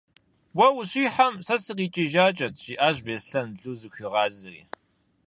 - Уэ ущихьэм, сэ сыкъикӏыжакӏэт, - жиӏащ Беслъэн Лу зыхуигъазэри.